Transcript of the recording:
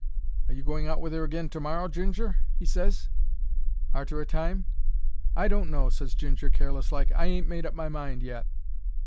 "Are you going out with 'er agin to morrow, Ginger?" he ses, arter a time. "I don't know," ses Ginger, careless like, "I ain't made up my mind yet."